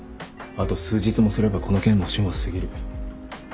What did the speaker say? あと数日もすればこの件の旬は過ぎる。